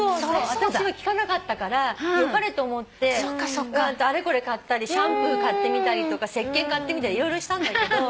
私は聞かなかったからよかれと思ってあれこれ買ったりシャンプー買ってみたりとか石けん買ってみたり色々したんだけど。